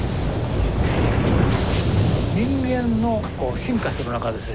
人間の進化する中でですね